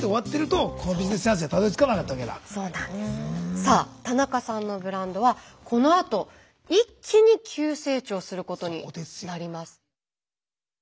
さあ田中さんのブランドはこのあと一気に急成長することになります。